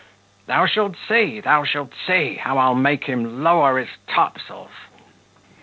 Thou shalt see, thou shalt see, how I'll make him lower his topsails."